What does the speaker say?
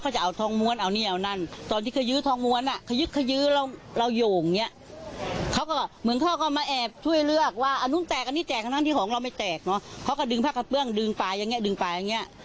ช่างเราไม่แตกน็อเขาก็ดึงผ้าผักกระเปื้องดึงตายอย่างนี้อย่างนี้